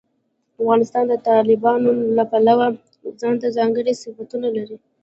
افغانستان د تالابونو له پلوه ځانته ځانګړي صفتونه لري.